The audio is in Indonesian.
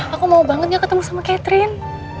aku mau bangetnya ketemu sama catherine